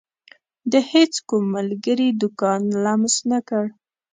د هيڅ کوم ملګري دکان لمس نه کړ.